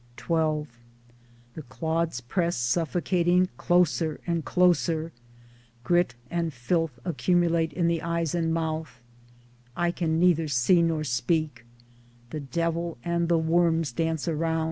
XII The clods press suffocating closer and closer — grit and filth accumulate in the eyes and mouth, I can neither see nor speak — the devil and the worms dance around.